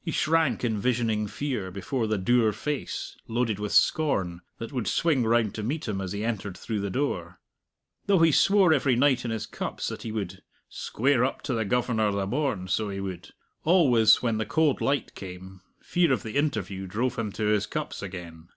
He shrank, in visioning fear, before the dour face, loaded with scorn, that would swing round to meet him as he entered through the door. Though he swore every night in his cups that he would "square up to the Governor the morn, so he would!" always, when the cold light came, fear of the interview drove him to his cups again.